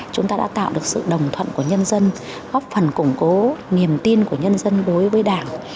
chúng ta đã tạo được sự đồng thuận của nhân dân góp phần củng cố niềm tin của nhân dân đối với đảng